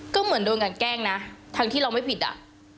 ก็เหมือนโดนกันแกล้งนะทั้งที่เราไม่ผิดอ่ะ